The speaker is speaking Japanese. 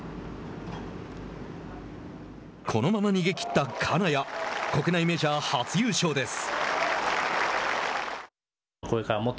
このまま逃げきった金谷国内メジャー初優勝です。